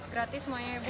gratis semuanya ibu